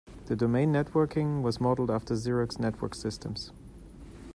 The Domain networking was modeled after Xerox Network Systems.